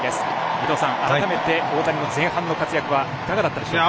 伊東さん、改めて大谷の前半の活躍はいかがだったでしょうか。